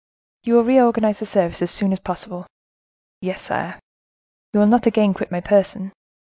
You will reorganize the service as soon as possible." "Yes, sire." "You will not again quit my person."